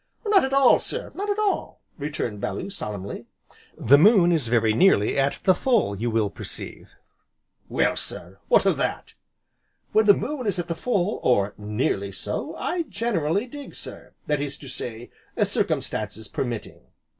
"Not at all, sir not at all," returned Bellew solemnly, "the moon is very nearly at the full, you will perceive." "Well, sir, and what of that?" "When the moon is at the full, or nearly so, I generally dig, sir, that is to say, circumstances permitting."